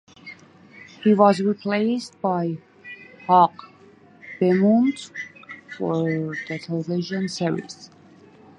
He was replaced by Hugh Beaumont for the television series.